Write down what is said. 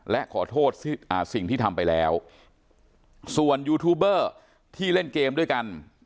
และขอโทษสิ่งที่ทำไปแล้วส่วนยูทูบเบอร์ที่เล่นเกมด้วยกัน